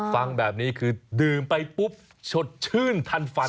ฟังแบบนี้คือดื่มไปปุ๊บสดชื่นทันฟัน